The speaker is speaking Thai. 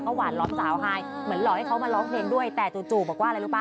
หวานล้อมสาวไฮเหมือนหลอกให้เขามาร้องเพลงด้วยแต่จู่บอกว่าอะไรรู้ป